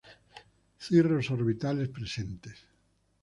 Cirros orbitales presentes.